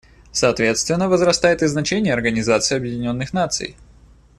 Соответственно, возрастает и значение Организации Объединенных Наций.